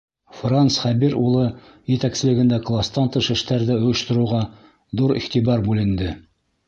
Франс Хәбир улы етәкселегендә кластан тыш эштәрҙе ойоштороуға ҙур иғтибар бүленде.